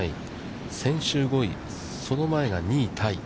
先週５位、その前が２位タイ。